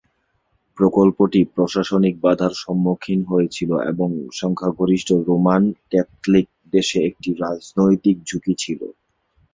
প্রকল্পটি প্রশাসনিক বাধার সম্মুখীন হয়েছিল এবং সংখ্যাগরিষ্ঠ রোমান ক্যাথলিক দেশে একটি রাজনৈতিক ঝুঁকি ছিল।